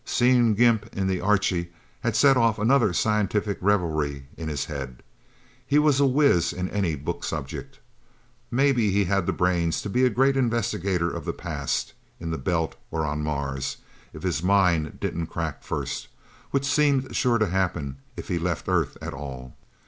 Seeing Gimp in the Archie had set off another scientific reverie in his head. He was a whizz in any book subject. Maybe he had the brains to be a great investigator of the past, in the Belt or on Mars, if his mind didn't crack first, which seemed sure to happen if he left Earth at all.